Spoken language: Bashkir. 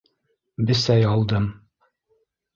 Бесәй алдым.